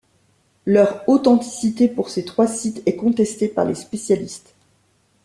Leur authenticité pour ces trois sites est contestée par les spécialistes.